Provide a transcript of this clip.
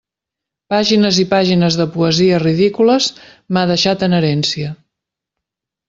Pàgines i pàgines de poesies ridícules m'ha deixat en herència!